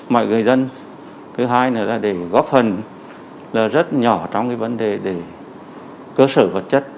mọi người dân thứ hai nữa là để góp phần rất nhỏ trong cái vấn đề để cơ sở vật chất